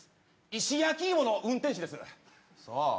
石焼き芋の運転手ですそう